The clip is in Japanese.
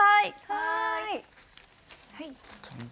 はい。